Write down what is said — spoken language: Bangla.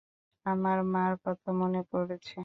আমার মার কথা মনে পড়ছে।